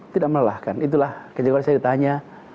tidak melelahkan itulah kecewaan saya ditanya